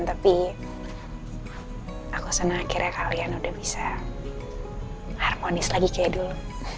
tapi aku senang akhirnya kalian udah bisa harmonis lagi cedul